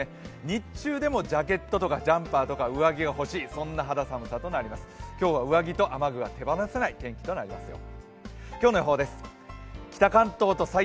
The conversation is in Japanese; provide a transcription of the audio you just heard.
日中でもジャケットとかジャンパーとか上着が欲しいそんな肌寒さとなります、今日は上着と雨具は手放せない天気となりますよ。